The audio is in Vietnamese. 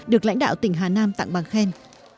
được lãnh đạo tỉnh hà nam tặng bằng khen